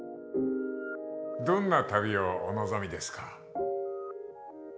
どんな旅をお望みですか？